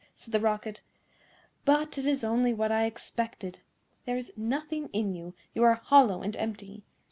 said the Rocket; "but it is only what I expected. There is nothing in you; you are hollow and empty.